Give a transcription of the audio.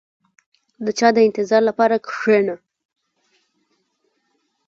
• د چا د انتظار لپاره کښېنه.